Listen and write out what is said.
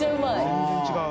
全然違う。